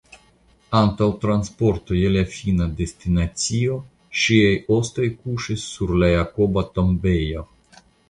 Antaŭ transporto je la fina destinacio ŝiaj ostoj kuŝis sur la Jakoba tombejo.